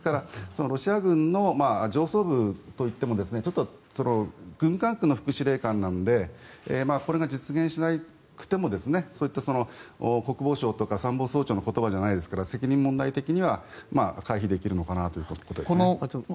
ロシア軍の上層部といっても軍管区の副司令官なのでこれが実現しなくてもそういった国防相とか参謀総長の言葉じゃないですから責任問題的には回避できるのかなということですね。